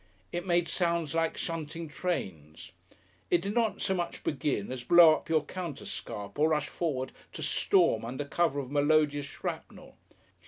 It made sounds like shunting trains. It did not so much begin as blow up your counter scarp or rush forward to storm under cover of melodious shrapnel.